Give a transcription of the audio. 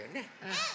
うん！